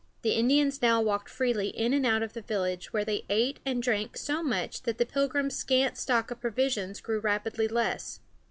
The Indians now walked freely in and out of the village, where they ate and drank so much that the Pilgrims' scant stock of provisions grew rapidly less.